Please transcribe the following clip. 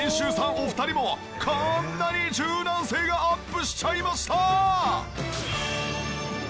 お二人もこーんなに柔軟性がアップしちゃいました！